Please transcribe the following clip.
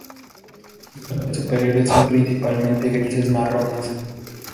Sus partes superiores son principalmente grises-marrones.